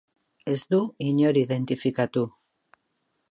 Ez du inor identifikatu.